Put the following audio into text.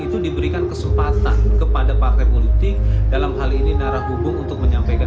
itu diberikan kesempatan kepada partai politik dalam hal ini narah hubung untuk menyampaikan